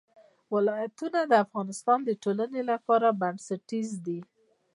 ولایتونه د افغانستان د ټولنې لپاره بنسټیز دي.